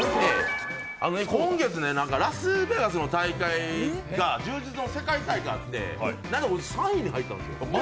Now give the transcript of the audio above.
今月、ラスベガスの大会が柔術の世界大会があって、３位に入ったんですよ。